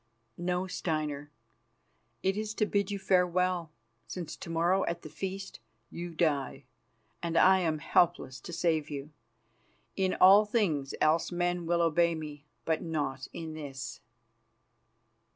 "No, Steinar, it is to bid you farewell, since to morrow at the feast you die, and I am helpless to save you. In all things else men will obey me, but not in this."